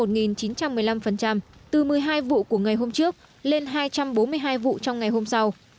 từ một mươi hai vụ của ngày hôm trước lên hai trăm bốn mươi hai vụ trong ngày hôm sau